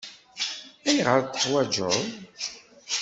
Ayɣer ay t-teḥwajeḍ?